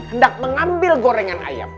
hendak mengambil gorengan ayam